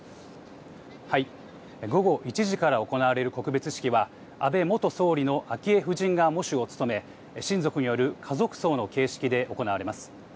午後１時から行われる告別式は、安倍元総理の昭恵夫人が喪主を務め、親族による家族葬の形式で行われます。